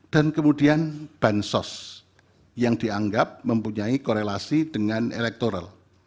dan kemudian bansos yang dianggap mempunyai korelasi dengan elektoral